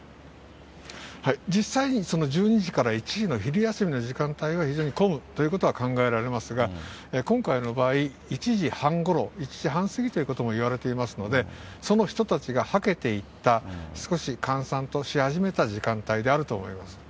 実際に、その１２時から１時の昼休みの時間帯は非常に混むということは考えられますが、今回の場合、１時半ごろ、１時半過ぎということもいわれていますので、その人たちがはけていった、少し閑散とし始めた時間だと思います。